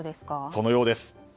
そのようです。